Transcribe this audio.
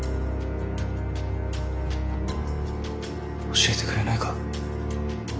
・教えてくれないか？